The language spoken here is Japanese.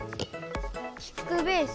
キックベース。